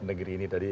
negeri ini tadi